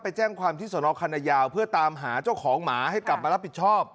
แจ้งความที่สนคณะยาวเพื่อตามหาเจ้าของหมาให้กลับมารับผิดชอบ